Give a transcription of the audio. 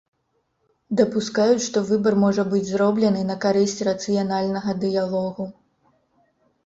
Дапускаюць, што выбар можа быць зроблены на карысць рацыянальнага дыялогу.